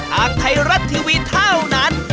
ทางไทยรัฐทีวีเท่านั้น